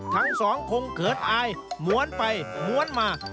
ทั้งสองคงเขินอายม้วนไปม้วนมา